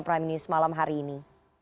terima kasih semalam hari ini